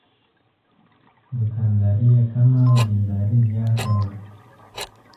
دوکانداري یې کمه او دلداري زیاته وه.